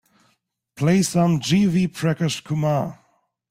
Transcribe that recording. Play some G. V. Prakash Kumar